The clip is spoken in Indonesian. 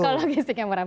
kalau logistiknya murah